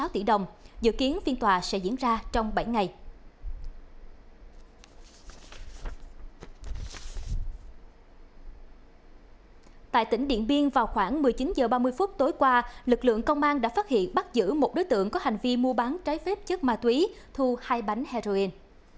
tại tỉnh điện biên vào khoảng một mươi chín h ba mươi phút tối qua lực lượng công an đã phát hiện bắt giữ một đối tượng có hành vi mua bán trái phép chất ma túy thu hai bánh heroin